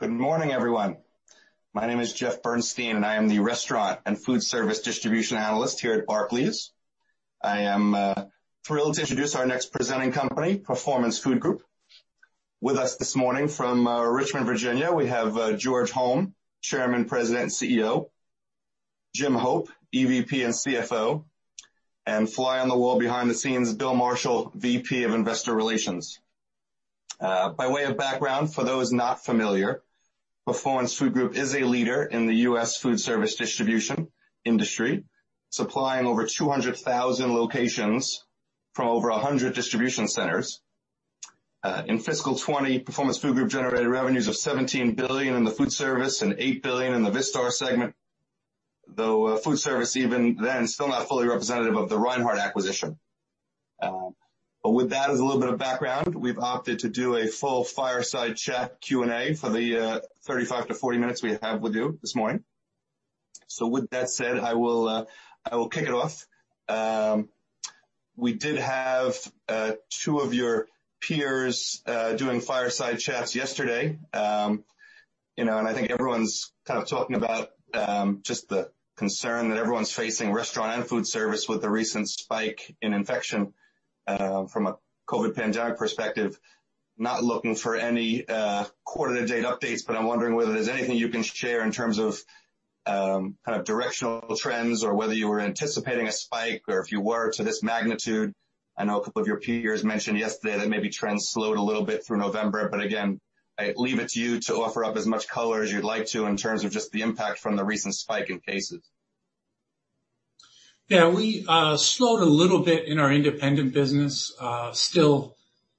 Good morning, everyone. My name is Jeff Bernstein, and I am the Restaurant and Foodservice Distribution Analyst here at Barclays. I am thrilled to introduce our next presenting company, Performance Food Group. With us this morning from Richmond, Virginia, we have George Holm, Chairman, President, CEO, Jim Hope, EVP and CFO, and fly on the wall behind the scenes, Bill Marshall, VP of Investor Relations. By way of background, for those not familiar, Performance Food Group is a leader in the U.S. foodservice distribution industry, supplying over 200,000 locations from over 100 distribution centers. In fiscal 2020, Performance Food Group generated revenues of $17 billion in the foodservice and $8 billion in the Vistar segment, though foodservice even then, still not fully representative of the Reinhart acquisition. With that as a little bit of background, we've opted to do a full fireside chat Q&A for the 35-40 minutes we have with you this morning. With that said, I will kick it off. We did have two of your peers doing fireside chats yesterday. I think everyone's kind of talking about just the concern that everyone's facing, restaurant and foodservice, with the recent spike in infection from a COVID pandemic perspective. Not looking for any quarter to date updates, but I'm wondering whether there's anything you can share in terms of directional trends or whether you were anticipating a spike, or if you were to this magnitude. I know a couple of your peers mentioned yesterday that maybe trends slowed a little bit through November, but again, I leave it to you to offer up as much color as you'd like to in terms of just the impact from the recent spike in cases. Yeah. We slowed a little bit in our independent business, still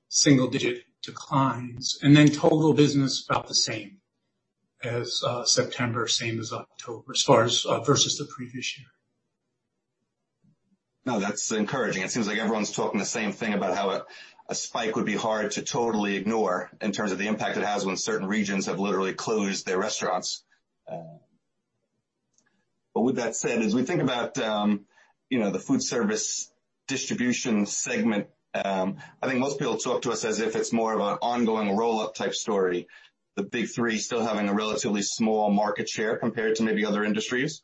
single-digit declines. Total business about the same as September, same as October, as far as versus the previous year. No, that's encouraging. It seems like everyone's talking the same thing about how a spike would be hard to totally ignore in terms of the impact it has when certain regions have literally closed their restaurants. With that said, as we think about the foodservice distribution segment, I think most people talk to us as if it's more of an ongoing roll-up type story. The big three still having a relatively small market share compared to maybe other industries.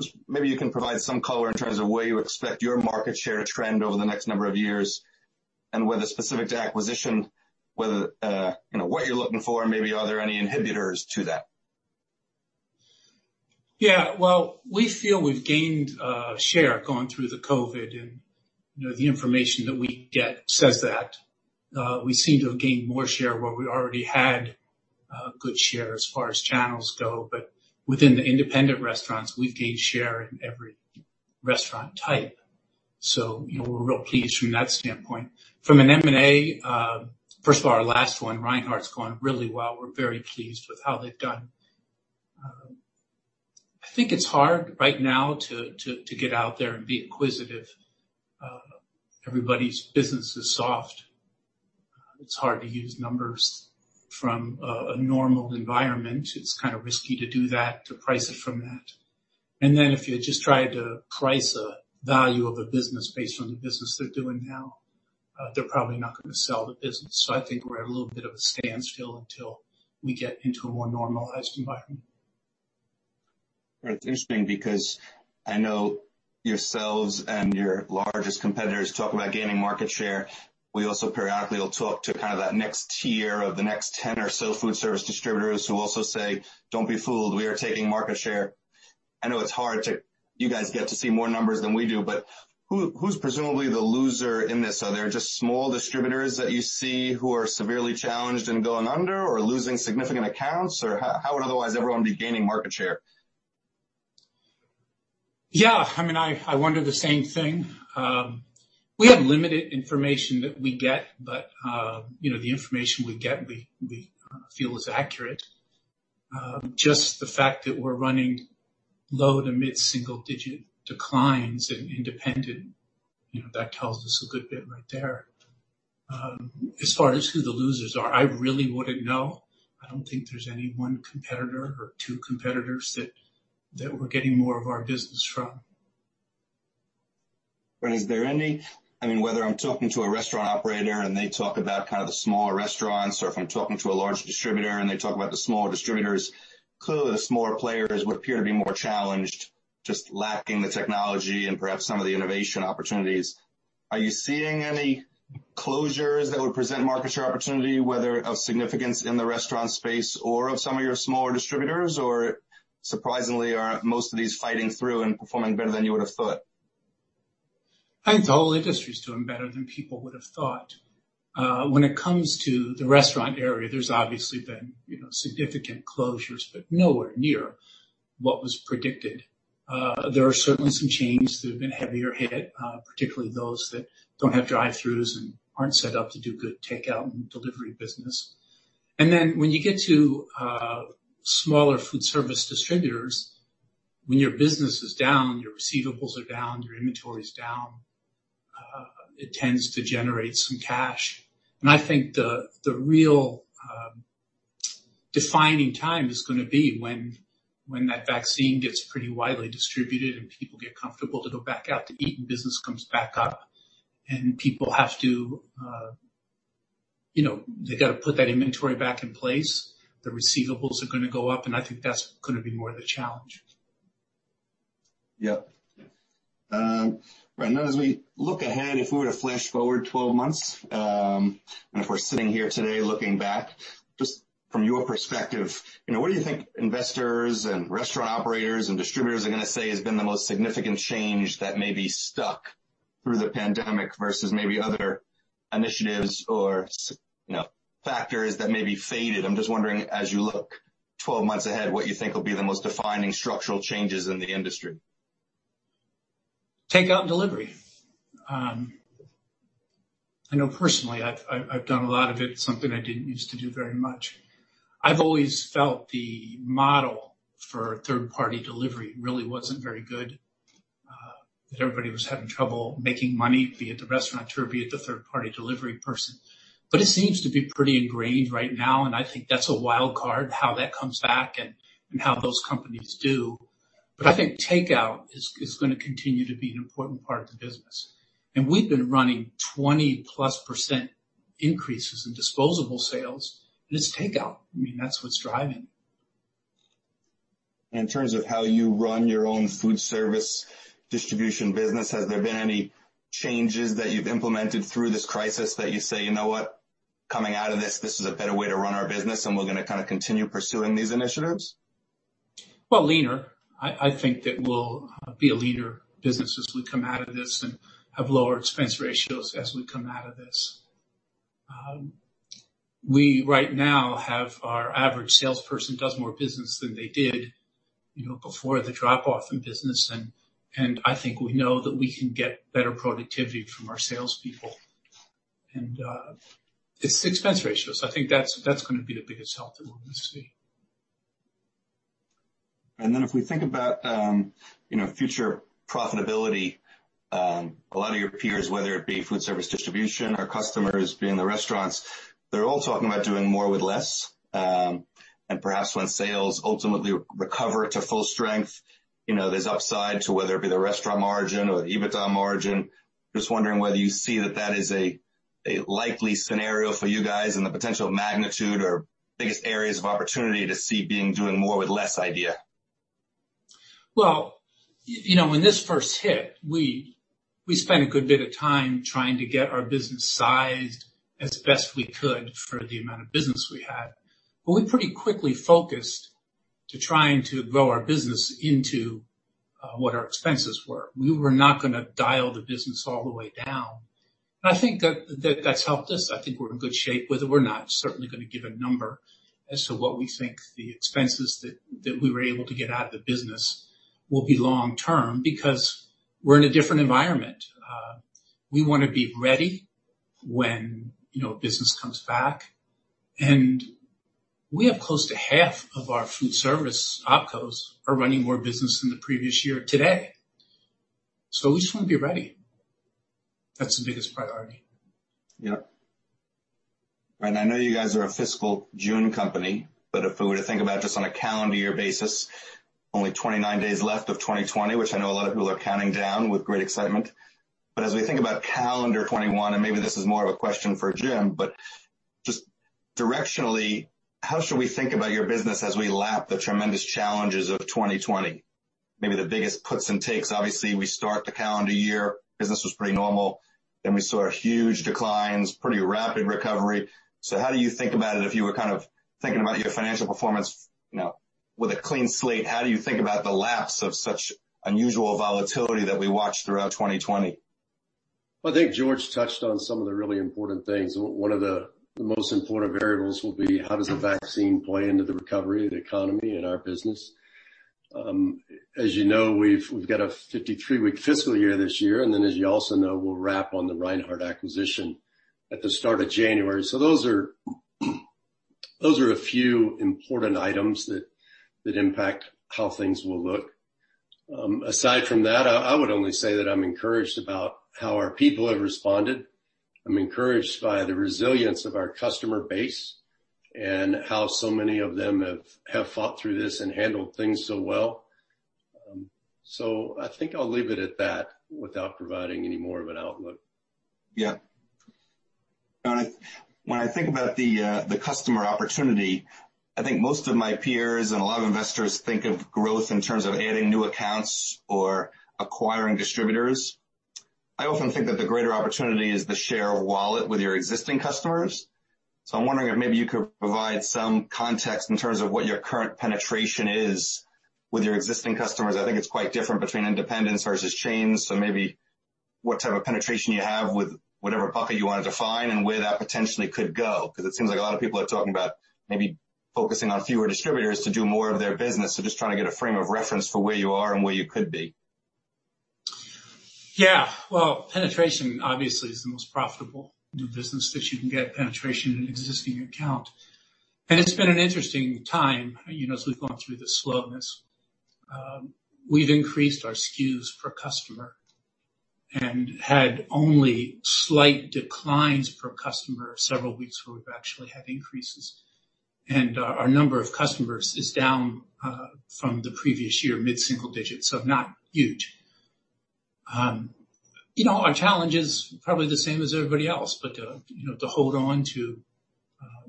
Just maybe you can provide some color in terms of where you expect your market share to trend over the next number of years and whether specific to acquisition, what you're looking for, and maybe are there any inhibitors to that? Well, we feel we've gained a share going through the COVID, and the information that we get says that. We seem to have gained more share where we already had good share as far as channels go. Within the independent restaurants, we've gained share in every restaurant type. We're real pleased from that standpoint. From an M&A, first of all, our last one, Reinhart's going really well. We're very pleased with how they've done. I think it's hard right now to get out there and be inquisitive. Everybody's business is soft. It's hard to use numbers from a normal environment. It's kind of risky to do that, to price it from that. If you just tried to price a value of a business based on the business they're doing now, they're probably not going to sell the business. I think we're at a little bit of a standstill until we get into a more normalized environment. It's interesting because I know yourselves and your largest competitors talk about gaining market share. We also periodically will talk to kind of that next tier of the next 10 or so foodservice distributors who also say, "Don't be fooled. We are taking market share." I know it's hard. You guys get to see more numbers than we do, but who's presumably the loser in this? Are there just small distributors that you see who are severely challenged and going under or losing significant accounts? How would otherwise everyone be gaining market share? Yeah, I wonder the same thing. We have limited information that we get, but the information we get we feel is accurate. Just the fact that we're running low to mid single digit declines in independent, that tells us a good bit right there. As far as who the losers are, I really wouldn't know. I don't think there's any one competitor or two competitors that we're getting more of our business from. Whether I'm talking to a restaurant operator and they talk about kind of the smaller restaurants, or if I'm talking to a large distributor and they talk about the smaller distributors, clearly the smaller players would appear to be more challenged, just lacking the technology and perhaps some of the innovation opportunities. Are you seeing any closures that would present market share opportunity, whether of significance in the restaurant space or of some of your smaller distributors, or surprisingly, are most of these fighting through and performing better than you would've thought? I think the whole industry is doing better than people would've thought. When it comes to the restaurant area, there's obviously been significant closures, but nowhere near what was predicted. There are certainly some chains that have been heavier hit, particularly those that don't have drive-throughs and aren't set up to do good takeout and delivery business. Then when you get to smaller foodservice distributors, when your business is down, your receivables are down, your inventory is down, it tends to generate some cash. I think the real defining time is going to be when that vaccine gets pretty widely distributed and people get comfortable to go back out to eat and business comes back up and people have to put that inventory back in place, the receivables are going to go up, and I think that's going to be more of the challenge. Yep. Right. Now, as we look ahead, if we were to flash forward 12 months, and if we're sitting here today looking back, just from your perspective, what do you think investors and restaurant operators and distributors are going to say has been the most significant change that maybe stuck through the pandemic versus maybe other initiatives or factors that maybe faded? I'm just wondering, as you look 12 months ahead, what you think will be the most defining structural changes in the industry. Takeout and delivery. I know personally, I've done a lot of it, something I didn't use to do very much. I've always felt the model for third-party delivery really wasn't very good, that everybody was having trouble making money, be it the restaurateur, be it the third-party delivery person. It seems to be pretty ingrained right now, and I think that's a wild card, how that comes back and how those companies do. I think takeout is going to continue to be an important part of the business. We've been running 20%+ increases in disposable sales, and it's takeout. That's what's driving. In terms of how you run your own foodservice distribution business, has there been any changes that you've implemented through this crisis that you say, "You know what, coming out of this is a better way to run our business, and we're going to continue pursuing these initiatives? Well, leaner. I think that we'll be a leaner business as we come out of this and have lower expense ratios as we come out of this. We right now have our average salesperson does more business than they did before the drop-off in business, and I think we know that we can get better productivity from our salespeople. It's expense ratios. I think that's going to be the biggest help that we're going to see. If we think about future profitability, a lot of your peers, whether it be foodservice distribution or customers being the restaurants, they're all talking about doing more with less. Perhaps when sales ultimately recover to full strength, there's upside to whether it be the restaurant margin or the EBITDA margin. Just wondering whether you see that that is a likely scenario for you guys and the potential magnitude or biggest areas of opportunity to see being doing more with less idea. When this first hit, we spent a good bit of time trying to get our business sized as best we could for the amount of business we had. We pretty quickly focused to trying to grow our business into what our expenses were. We were not going to dial the business all the way down. I think that's helped us. I think we're in good shape with it. We're not certainly going to give a number as to what we think the expenses that we were able to get out of the business will be long term, because we're in a different environment. We want to be ready when business comes back. We have close to half of our foodservice opcos are running more business than the previous year today. We just want to be ready. That's the biggest priority. Yep. I know you guys are a fiscal June company, but if we were to think about just on a calendar year basis, only 29 days left of 2020, which I know a lot of people are counting down with great excitement. As we think about calendar 2021, maybe this is more of a question for Jim, just directionally, how should we think about your business as we lap the tremendous challenges of 2020? Maybe the biggest puts and takes. Obviously, we start the calendar year, business was pretty normal. We saw huge declines, pretty rapid recovery. How do you think about it if you were thinking about your financial performance with a clean slate? How do you think about the lapse of such unusual volatility that we watched throughout 2020? I think George touched on some of the really important things. One of the most important variables will be how does the vaccine play into the recovery of the economy and our business. As you know, we've got a 53-week fiscal year this year, as you also know, we'll wrap on the Reinhart acquisition at the start of January. Those are a few important items that impact how things will look. Aside from that, I would only say that I'm encouraged about how our people have responded. I'm encouraged by the resilience of our customer base and how so many of them have fought through this and handled things so well. I think I'll leave it at that without providing any more of an outlook. Yeah. When I think about the customer opportunity, I think most of my peers and a lot of investors think of growth in terms of adding new accounts or acquiring distributors. I often think that the greater opportunity is the share of wallet with your existing customers. I'm wondering if maybe you could provide some context in terms of what your current penetration is with your existing customers. I think it's quite different between independents versus chains. Maybe what type of penetration you have with whatever bucket you want to define and where that potentially could go. Because it seems like a lot of people are talking about maybe focusing on fewer distributors to do more of their business. Just trying to get a frame of reference for where you are and where you could be. Well, penetration obviously is the most profitable business that you can get penetration in existing account. It's been an interesting time as we've gone through this slowness. We've increased our SKUs per customer and had only slight declines per customer several weeks where we've actually had increases. Our number of customers is down from the previous year, mid-single digits, so not huge. Our challenge is probably the same as everybody else, but to hold on to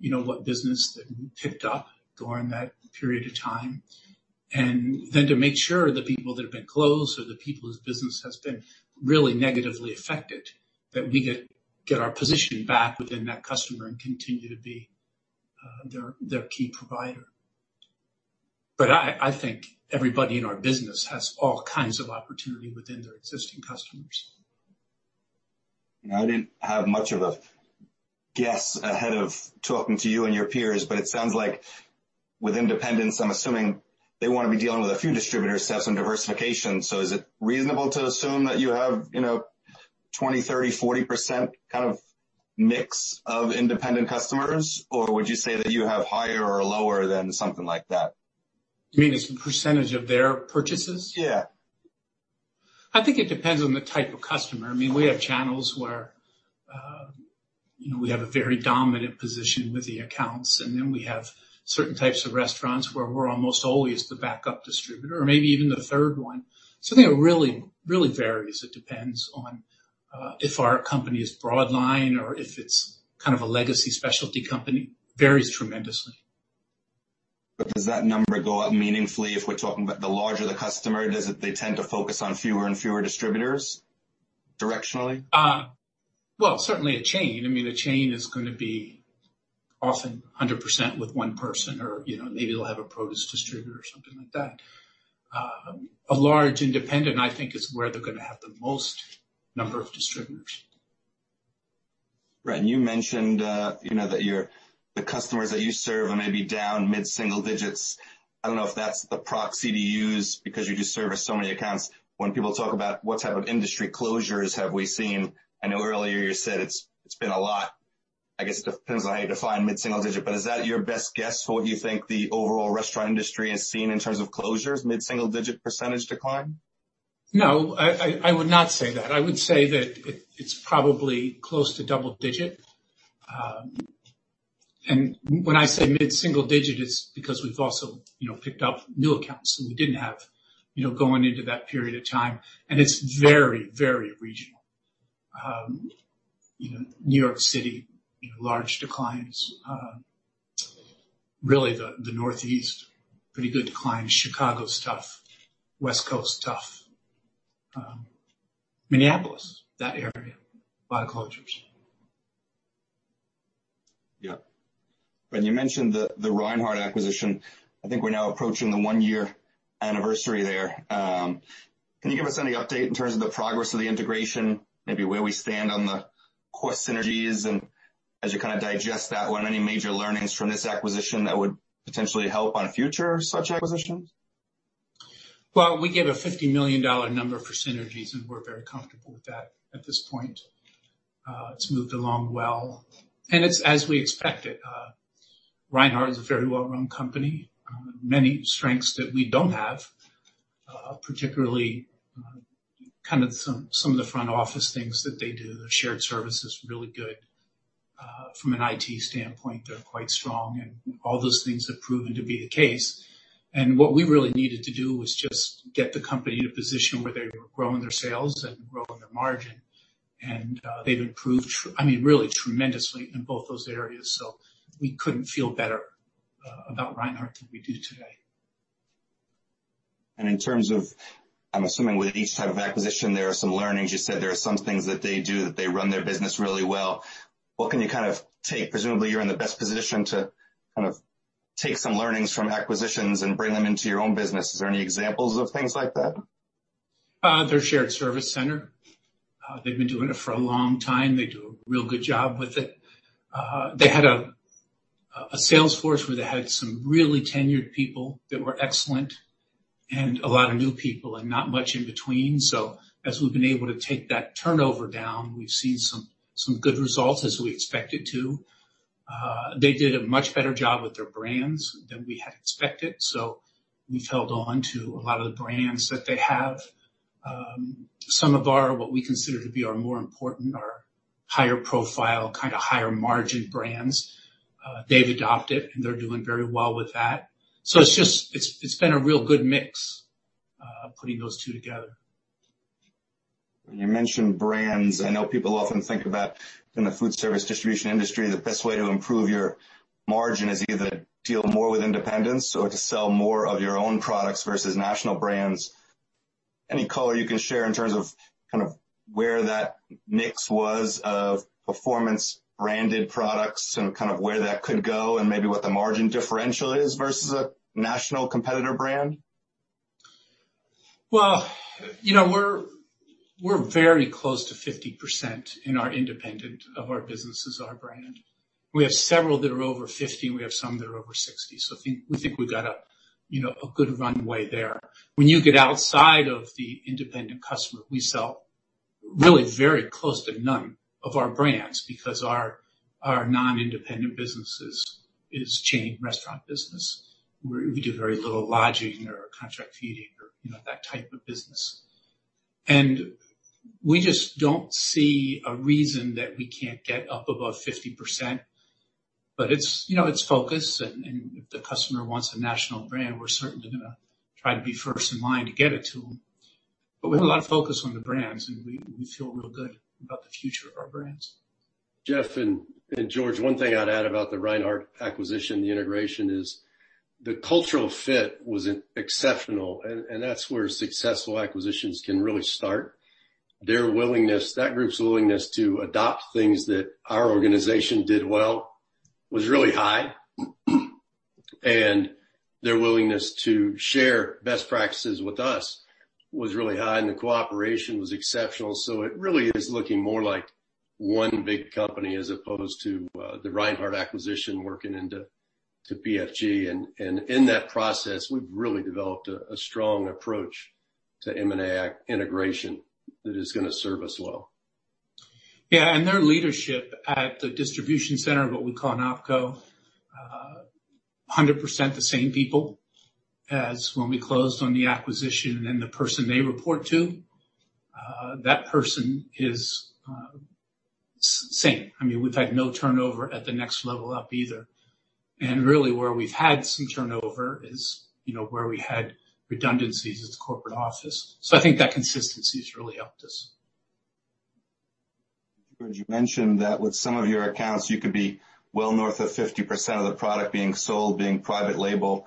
what business that picked up during that period of time, and then to make sure the people that have been closed or the people's business has been really negatively affected, that we get our position back within that customer and continue to be their key provider. I think everybody in our business has all kinds of opportunity within their existing customers. I didn't have much of a guess ahead of talking to you and your peers. It sounds like with independents, I'm assuming they want to be dealing with a few distributors to have some diversification. Is it reasonable to assume that you have 20%, 30%, 40% kind of mix of independent customers, or would you say that you have higher or lower than something like that? You mean as the percentage of their purchases? Yeah. I think it depends on the type of customer. We have channels where we have a very dominant position with the accounts, and then we have certain types of restaurants where we're almost always the backup distributor or maybe even the third one. I think it really varies. It depends on if our company is broad line or if it's kind of a legacy specialty company, varies tremendously. Does that number go up meaningfully if we're talking about the larger the customer, they tend to focus on fewer and fewer distributors directionally? Well, certainly a chain. A chain is going to be often 100% with one person or, maybe they'll have a produce distributor or something like that. A large independent, I think, is where they're going to have the most number of distributors. Right. You mentioned that the customers that you serve are maybe down mid-single digits. I don't know if that's the proxy to use because you just service so many accounts. When people talk about what type of industry closures have we seen, I know earlier you said it's been a lot. I guess it depends on how you define mid-single digit. Is that your best guess for what you think the overall restaurant industry has seen in terms of closures, mid-single digit percentage decline? No, I would not say that. I would say that it's probably close to double-digit. When I say mid-single-digit, it's because we've also picked up new accounts that we didn't have, going into that period of time, and it's very regional. New York City, large declines. Really the Northeast, pretty good declines. Chicago's tough. West Coast, tough. Minneapolis, that area, a lot of closures. Yeah. When you mentioned the Reinhart acquisition, I think we're now approaching the one-year anniversary there. Can you give us any update in terms of the progress of the integration, maybe where we stand on the core synergies and as you kind of digest that one, any major learnings from this acquisition that would potentially help on future such acquisitions? We gave a $50 million number for synergies, and we're very comfortable with that at this point. It's moved along well, and it's as we expected. Reinhart is a very well-run company. Many strengths that we don't have, particularly some of the front office things that they do, their shared service is really good. From an IT standpoint, they're quite strong, and all those things have proven to be the case. What we really needed to do was just get the company in a position where they were growing their sales and growing their margin. They've improved, really tremendously in both those areas, so we couldn't feel better about Reinhart than we do today. In terms of, I'm assuming with each type of acquisition, there are some learnings. You said there are some things that they do that they run their business really well. What can you kind of take, presumably you're in the best position to kind of take some learnings from acquisitions and bring them into your own business? Is there any examples of things like that? Their shared service center. They've been doing it for a long time. They do a real good job with it. They had a sales force where they had some really tenured people that were excellent and a lot of new people and not much in between. As we've been able to take that turnover down, we've seen some good results as we expected to. They did a much better job with their brands than we had expected. We've held on to a lot of the brands that they have. Some of our, what we consider to be our more important, our higher profile, kind of higher margin brands, they've adopted, and they're doing very well with that. It's been a real good mix, putting those two together. When you mention brands, I know people often think about in the foodservice distribution industry, the best way to improve your margin is either to deal more with independents or to sell more of your own products versus national brands. Any color you can share in terms of kind of where that mix was of Performance branded products and kind of where that could go and maybe what the margin differential is versus a national competitor brand? We're very close to 50% in our independent of our business is our brand. We have several that are over 50%, and we have some that are over 60%. We think we've got a good runway there. When you get outside of the independent customer, we sell really very close to none of our brands because our non-independent businesses is chain restaurant business. We do very little lodging or contract feeding or that type of business. We just don't see a reason that we can't get up above 50%. But it's focused, and if the customer wants a national brand, we're certainly going to try to be first in line to get it to them. We have a lot of focus on the brands, and we feel real good about the future of our brands. Jeff and George, one thing I'd add about the Reinhart acquisition, the integration, is the cultural fit was exceptional. That's where successful acquisitions can really start. Their willingness, that group's willingness to adopt things that our organization did well was really high. Their willingness to share best practices with us was really high. The cooperation was exceptional. It really is looking more like one big company as opposed to the Reinhart acquisition working into PFG. In that process, we've really developed a strong approach to M&A integration that is going to serve us well. Yeah. Their leadership at the distribution center, what we call an opco, 100% the same people as when we closed on the acquisition, and the person they report to, that person is the same. We've had no turnover at the next level up either. Really where we've had some turnover is where we had redundancies at the corporate office. I think that consistency has really helped us. George, you mentioned that with some of your accounts, you could be well north of 50% of the product being sold, being private label.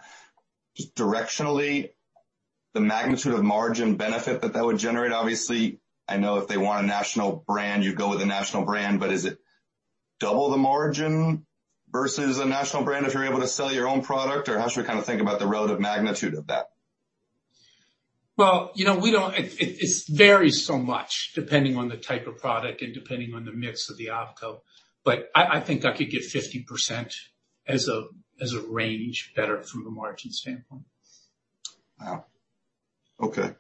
Directionally, the magnitude of margin benefit that that would generate, obviously, I know if they want a national brand, you'd go with a national brand, but is it double the margin versus a national brand if you're able to sell your own product? How should we think about the relative magnitude of that? Well, it varies so much depending on the type of product and depending on the mix of the opco. I think I could get 50% as a range better from a margin standpoint. Wow. Okay.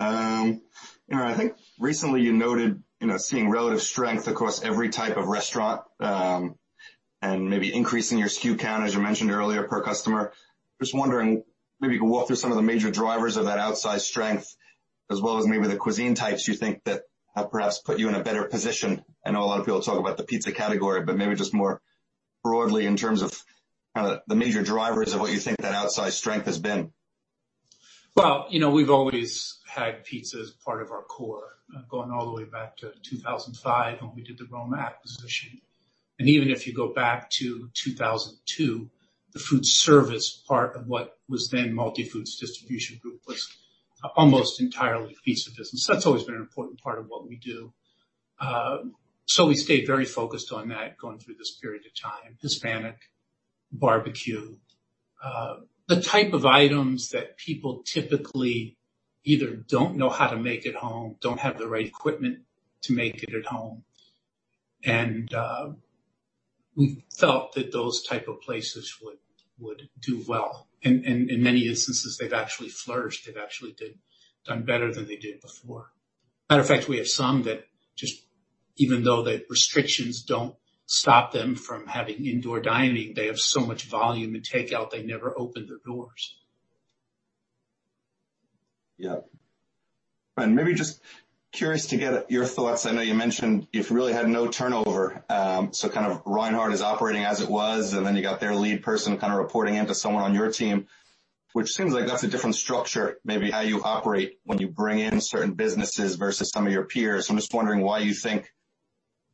I think recently you noted seeing relative strength across every type of restaurant, and maybe increasing your SKU count, as you mentioned earlier, per customer. Just wondering, maybe you could walk through some of the major drivers of that outsized strength as well as maybe the cuisine types you think that have perhaps put you in a better position? I know a lot of people talk about the pizza category, but maybe just more broadly in terms of the major drivers of what you think that outsized strength has been? Well, we've always had pizza as part of our core, going all the way back to 2005 when we did the Roma acquisition. Even if you go back to 2002, the foodservice part of what was then Multifoods Distribution Group was almost entirely a pizza business. That's always been an important part of what we do. We stayed very focused on that going through this period of time. Hispanic, barbecue, the type of items that people typically either don't know how to make at home, don't have the right equipment to make it at home. We felt that those type of places would do well. In many instances, they've actually flourished. They've actually done better than they did before. Matter of fact, we have some that just even though the restrictions don't stop them from having indoor dining, they have so much volume in takeout, they never open their doors. Yep. Maybe just curious to get your thoughts. I know you mentioned you've really had no turnover, so Reinhart is operating as it was, and then you got their lead person kind of reporting into someone on your team, which seems like that's a different structure, maybe how you operate when you bring in certain businesses versus some of your peers. I'm just wondering why you think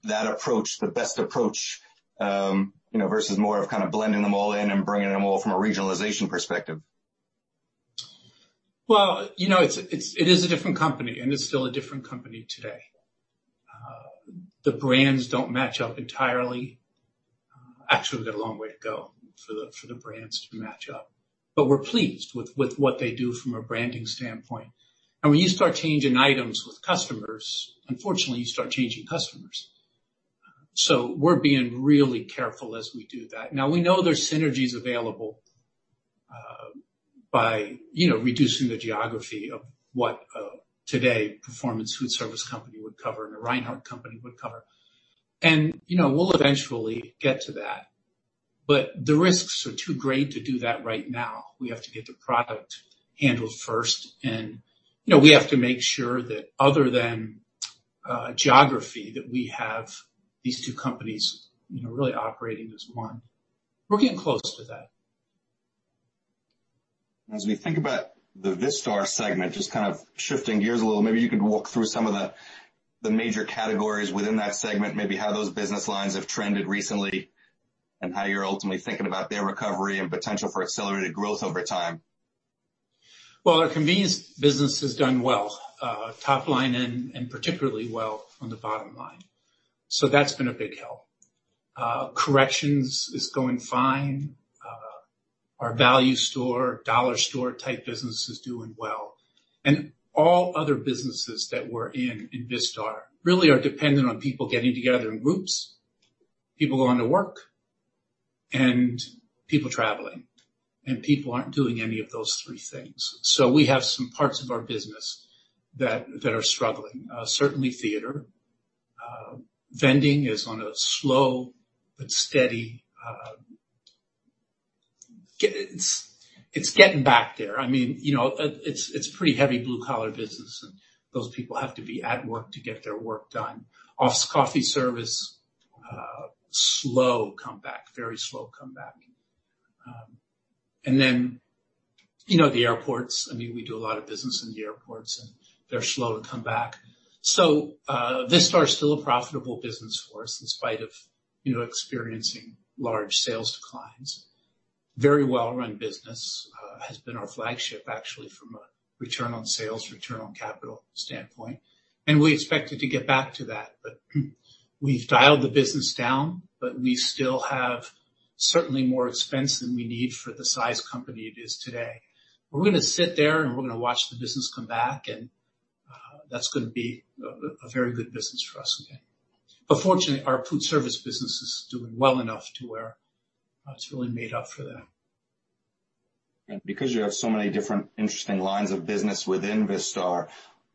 that approach, the best approach, versus more of kind of blending them all in and bringing them all from a regionalization perspective. It is a different company, and it's still a different company today. The brands don't match up entirely. We've got a long way to go for the brands to match up. We're pleased with what they do from a branding standpoint. When you start changing items with customers, unfortunately, you start changing customers. We're being really careful as we do that. We know there's synergies available by reducing the geography of what today Performance Foodservice Company would cover and a Reinhart company would cover. We'll eventually get to that, but the risks are too great to do that right now. We have to get the product handled first and we have to make sure that other than geography, that we have these two companies really operating as one. We're getting close to that. As we think about the Vistar segment, just kind of shifting gears a little, maybe you could walk through some of the major categories within that segment, maybe how those business lines have trended recently, and how you're ultimately thinking about their recovery and potential for accelerated growth over time. Well, our convenience business has done well, top line and particularly well on the bottom line. That's been a big help. Corrections is going fine. Our value store, dollar store type business is doing well. All other businesses that we're in Vistar, really are dependent on people getting together in groups, people going to work, and people traveling. People aren't doing any of those three things. We have some parts of our business that are struggling. Certainly theater. Vending is on a slow but steady, it's getting back there. It's pretty heavy blue collar business, and those people have to be at work to get their work done. Office coffee service, slow comeback, very slow comeback. The airports, we do a lot of business in the airports, and they're slow to come back. Vistar's still a profitable business for us in spite of experiencing large sales declines. Very well-run business, has been our flagship, actually, from a return on sales, return on capital standpoint, and we expected to get back to that. We've dialed the business down, but we still have certainly more expense than we need for the size company it is today. We're going to sit there, and we're going to watch the business come back, and that's going to be a very good business for us again. Fortunately, our Performance Foodservice business is doing well enough to where it's really made up for that. Because you have so many different interesting lines of business within Vistar,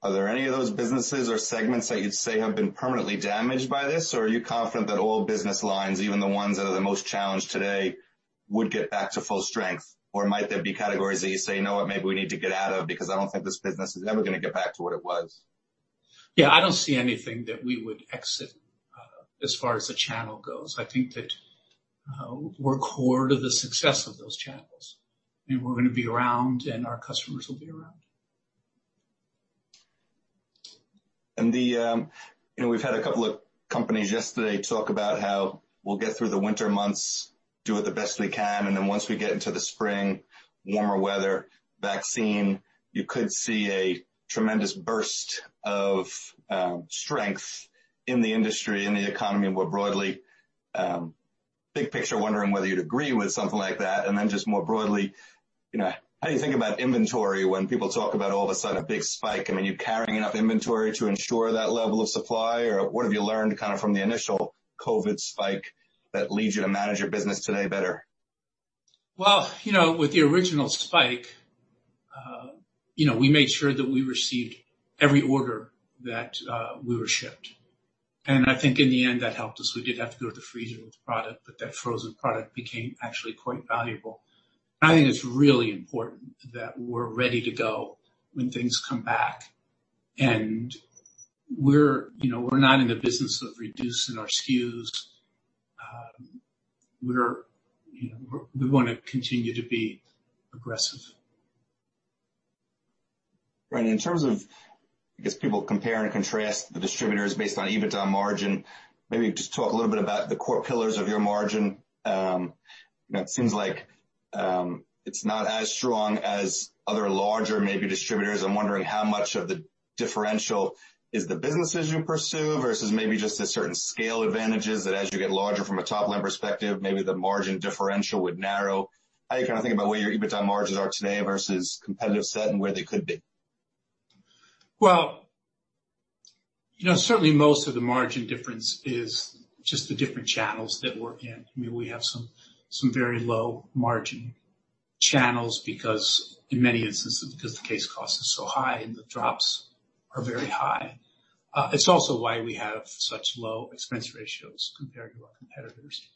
are there any of those businesses or segments that you'd say have been permanently damaged by this? Or are you confident that all business lines, even the ones that are the most challenged today, would get back to full strength? Or might there be categories that you say, "You know what? Maybe we need to get out of, because I don't think this business is ever going to get back to what it was"? Yeah. I don't see anything that we would exit, as far as the channel goes. I think that we're core to the success of those channels, and we're going to be around, and our customers will be around. We've had a couple of companies yesterday talk about how we'll get through the winter months, do it the best we can, and then once we get into the spring, warmer weather, vaccine, you could see a tremendous burst of strength in the industry and the economy more broadly. Big picture, wondering whether you'd agree with something like that, and then just more broadly, how do you think about inventory when people talk about all of a sudden a big spike? Are you carrying enough inventory to ensure that level of supply? What have you learned from the initial COVID spike that leads you to manage your business today better? Well, with the original spike, we made sure that we received every order that we were shipped. I think in the end, that helped us. We did have to go to the freezer with the product. That frozen product became actually quite valuable. I think it's really important that we're ready to go when things come back. We're not in the business of reducing our SKUs. We want to continue to be aggressive. Right. In terms of, I guess people compare and contrast the distributors based on EBITDA margin. Maybe just talk a little bit about the core pillars of your margin. It seems like it's not as strong as other larger maybe distributors. I'm wondering how much of the differential is the businesses you pursue versus maybe just the certain scale advantages that as you get larger from a top-line perspective, maybe the margin differential would narrow. How are you thinking about where your EBITDA margins are today versus competitive set and where they could be? Well, certainly most of the margin difference is just the different channels that we're in. We have some very low margin channels because in many instances, because the case cost is so high and the drops are very high. It's also why we have such low expense ratios compared to our competitors.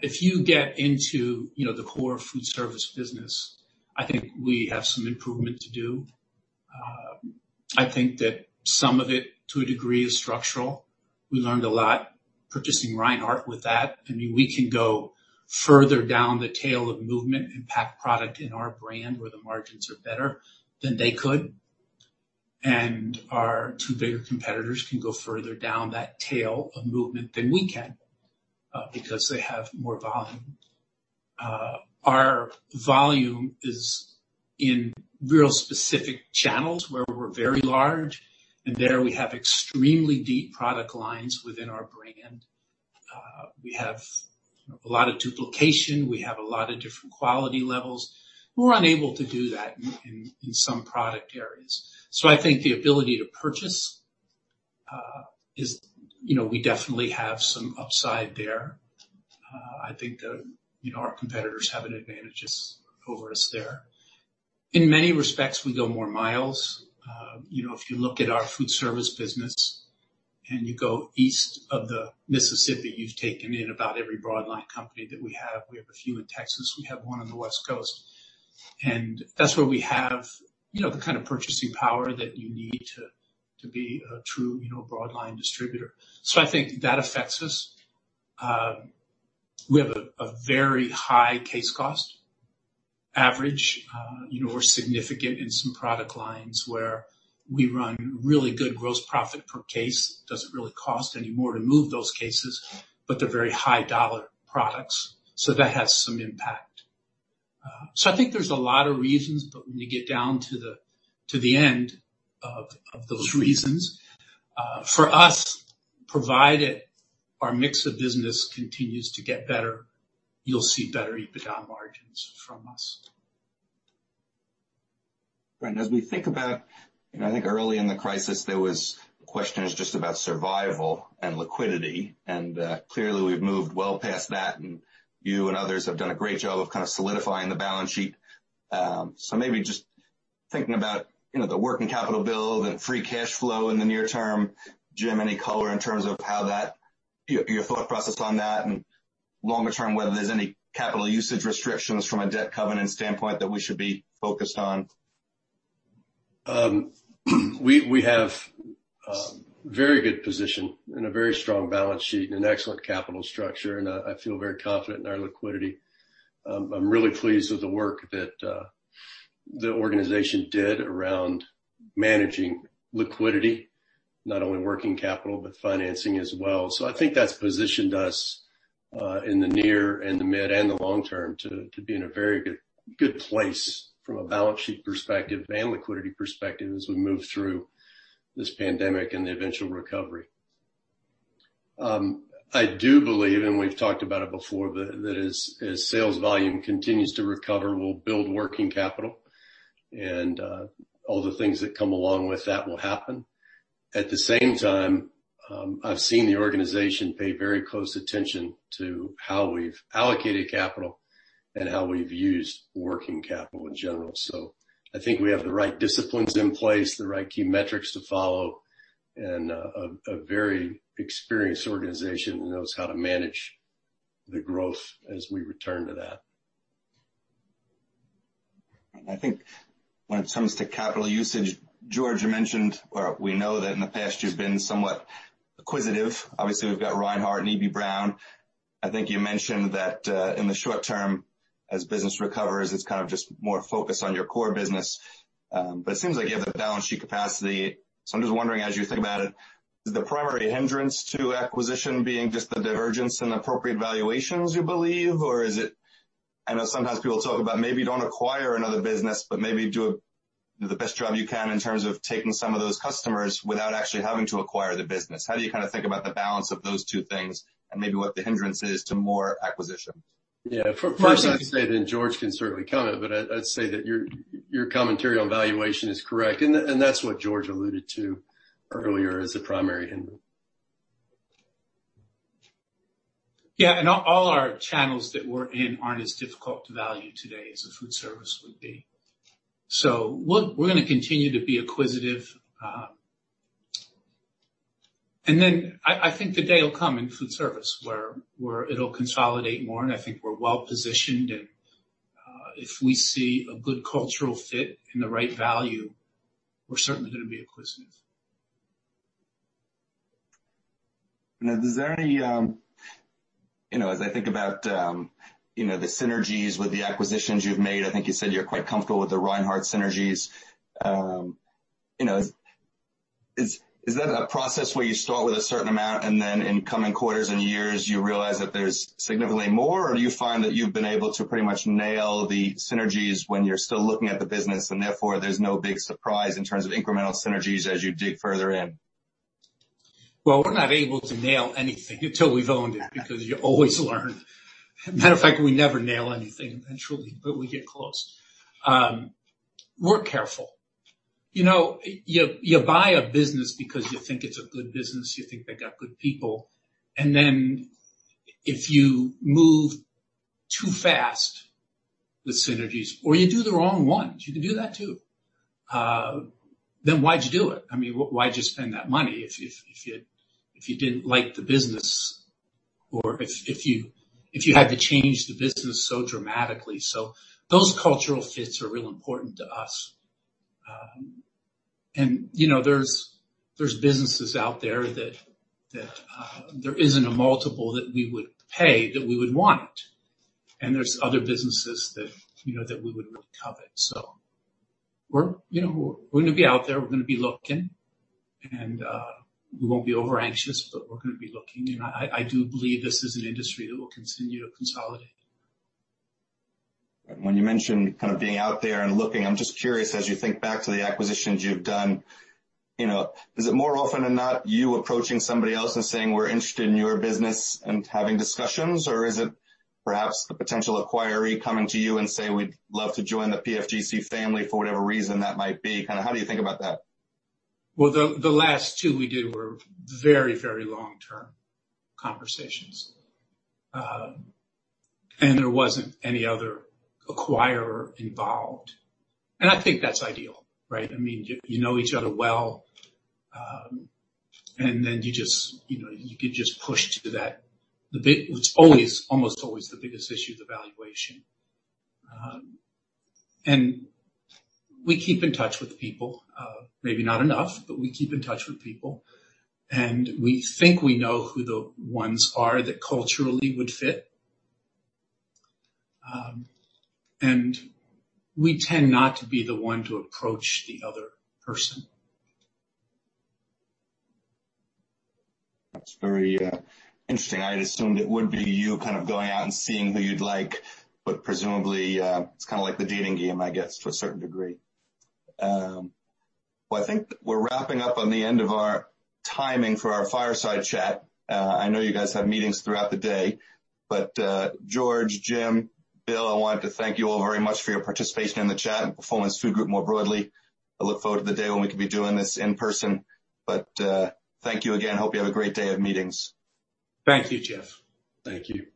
If you get into the core foodservice business, I think we have some improvement to do. I think that some of it, to a degree, is structural. We learned a lot purchasing Reinhart with that. We can go further down the tail of movement and pack product in our brand where the margins are better than they could. Our two bigger competitors can go further down that tail of movement than we can, because they have more volume. Our volume is in real specific channels where we're very large, and there we have extremely deep product lines within our brand. We have a lot of duplication. We have a lot of different quality levels. We're unable to do that in some product areas. I think the ability to purchase is, we definitely have some upside there. I think that our competitors have advantages over us there. In many respects, we go more miles. If you look at our foodservice business and you go east of the Mississippi, you've taken in about every broad line company that we have. We have a few in Texas. We have one on the West Coast. And that's where we have the kind of purchasing power that you need to be a true broad line distributor. I think that affects us. We have a very high case cost average. We're significant in some product lines where we run really good gross profit per case. Doesn't really cost any more to move those cases, but they're very high dollar products. That has some impact. I think there's a lot of reasons, but when you get down to the end of those reasons, for us, provided our mix of business continues to get better, you'll see better EBITDA margins from us. Great, as we think about, I think early in the crisis, there was questions just about survival and liquidity, and clearly we've moved well past that, and you and others have done a great job of kind of solidifying the balance sheet. Maybe just thinking about the working capital build and free cash flow in the near term, Jim, any color in terms of your thought process on that, and longer term, whether there's any capital usage restrictions from a debt covenant standpoint that we should be focused on? We have a very good position and a very strong balance sheet and an excellent capital structure, and I feel very confident in our liquidity. I'm really pleased with the work that the organization did around managing liquidity, not only working capital but financing as well. I think that's positioned us in the near and the mid and the long term to be in a very good place from a balance sheet perspective and liquidity perspective as we move through this pandemic and the eventual recovery. I do believe, and we've talked about it before, that as sales volume continues to recover, we'll build working capital and all the things that come along with that will happen. At the same time, I've seen the organization pay very close attention to how we've allocated capital and how we've used working capital in general. I think we have the right disciplines in place, the right key metrics to follow, and a very experienced organization who knows how to manage the growth as we return to that. I think when it comes to capital usage, George, you mentioned or we know that in the past you've been somewhat acquisitive. Obviously, we've got Reinhart and Eby-Brown. I think you mentioned that in the short term as business recovers, it's kind of just more focused on your core business. It seems like you have the balance sheet capacity. I'm just wondering, as you think about it, is the primary hindrance to acquisition being just the divergence in appropriate valuations, you believe? Is it, I know sometimes people talk about maybe you don't acquire another business, but maybe do the best job you can in terms of taking some of those customers without actually having to acquire the business. How do you kind of think about the balance of those two things and maybe what the hindrance is to more acquisitions? Yeah. First, I'd say, then George can certainly comment, but I'd say that your commentary on valuation is correct. That's what George alluded to earlier as the primary hindrance. Yeah. All our channels that we're in aren't as difficult to value today as a foodservice would be. We're going to continue to be acquisitive. Then I think the day will come in foodservice where it'll consolidate more, and I think we're well-positioned. If we see a good cultural fit and the right value, we're certainly going to be acquisitive. As I think about the synergies with the acquisitions you've made, I think you said you're quite comfortable with the Reinhart synergies. Is that a process where you start with a certain amount and then in coming quarters and years, you realize that there's significantly more? Or do you find that you've been able to pretty much nail the synergies when you're still looking at the business and therefore, there's no big surprise in terms of incremental synergies as you dig further in? Well, we're not able to nail anything until we've owned it because you always learn. Matter of fact, we never nail anything eventually, but we get close. We're careful. You buy a business because you think it's a good business, you think they got good people, and then if you move too fast with synergies or you do the wrong ones, you can do that too, then why'd you do it? I mean, why'd you spend that money if you didn't like the business or if you had to change the business so dramatically? Those cultural fits are real important to us. There's businesses out there that there isn't a multiple that we would pay that we would want, and there's other businesses that we would really covet. We're going to be out there, we're going to be looking, and we won't be overanxious, but we're going to be looking. I do believe this is an industry that will continue to consolidate. When you mention kind of being out there and looking, I'm just curious, as you think back to the acquisitions you've done, is it more often than not you approaching somebody else and saying, "We're interested in your business" and having discussions? Or is it perhaps the potential acquiree coming to you and say, "We'd love to join the PFGC family" for whatever reason that might be? How do you think about that? Well, the last two we did were very long-term conversations. There wasn't any other acquirer involved. I think that's ideal, right? I mean, you know each other well, and then you could just push to that. It's almost always the biggest issue, the valuation. We keep in touch with people. Maybe not enough, but we keep in touch with people. We think we know who the ones are that culturally would fit. We tend not to be the one to approach the other person. That's very interesting. Presumably, it's kind of like the dating game, I guess, to a certain degree. Well, I think we're wrapping up on the end of our timing for our fireside chat. I know you guys have meetings throughout the day. George, Jim, Bill, I wanted to thank you all very much for your participation in the chat and Performance Food Group more broadly. I look forward to the day when we can be doing this in person. Thank you again. I hope you have a great day of meetings. Thank you, Jeff. Thank you.